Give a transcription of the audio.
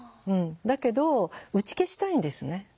だけど打ち消したいんですね。